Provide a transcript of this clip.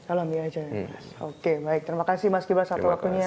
alami aja ya mas oke baik terima kasih mas gibran satu waktunya